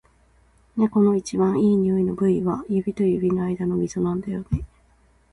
猫の一番いい匂いの部位は、指と指の間のみぞなんだよね。